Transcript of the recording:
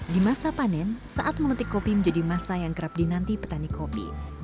di masa panen saat memetik kopi menjadi masa yang kerap dinanti petani kopi